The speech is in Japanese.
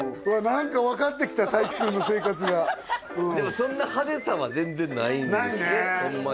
何か分かってきた体育君の生活がうんでもそんな派手さは全然ないんですねないねホンマ